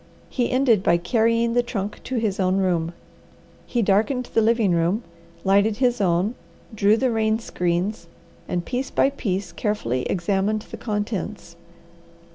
He ended by carrying the trunk to his room. He darkened the living room, lighted his own, drew the rain screens, and piece by piece carefully examined the contents.